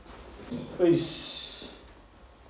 よし。